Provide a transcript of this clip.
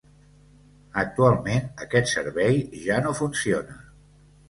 Actualment, aquest servei ja no funciona.